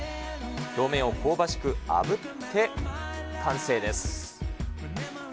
表面を香ばしくあぶって完成です。